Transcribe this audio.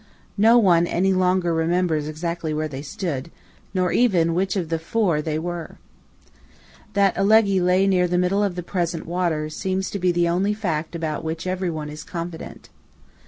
No one any longer remembers exactly where they stood, nor even which of the four 17 they were. That Alleghe lay near the middle of the present water, seems to be the only fact about which everyone is confident.